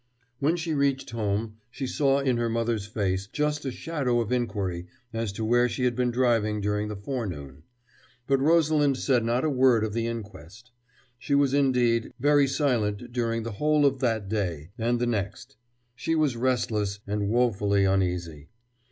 When she reached home she saw in her mother's face just a shadow of inquiry as to where she had been driving during the forenoon; but Rosalind said not a word of the inquest. She was, indeed, very silent during the whole of that day and the next. She was restless and woefully uneasy.